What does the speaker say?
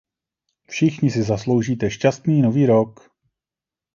Všichni si zasloužíte šťastný nový rok!